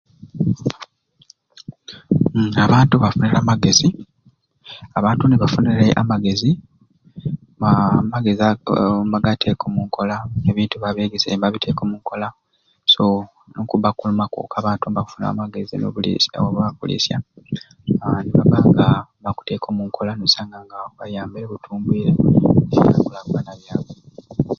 Uumm abantu bampaire amagezi abantu ni bafunire amagezi aa amagezi agoo aa nibagateeka omu nkola ebintu bibabegeserye nibabiteeka omu nkola so nikubba okulima abantu bakufuna amagezi omu buliisya oba akuliisya aa nibabba nga bakuteeka omu nkola n'osanga ngabiyambire bitumbwire ebyankulakulana byabwe.